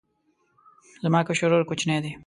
زما کشر ورور کوچنی دی